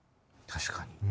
確かに。